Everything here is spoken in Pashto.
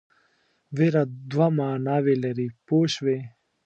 وېره دوه معناوې لري پوه شوې!.